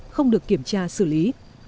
không được kiểm tra xử lý